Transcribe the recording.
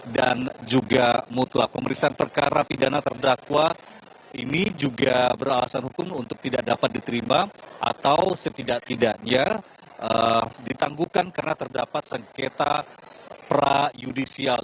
dan juga mutlak pemeriksaan perkara pidana terdakwa ini juga beralasan hukum untuk tidak dapat diterima atau setidak tidaknya ditanggukan karena terdapat sengketa prajudisial